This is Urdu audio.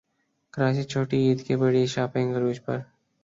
کراچی چھوٹی عید کی بڑی شاپنگ عروج پر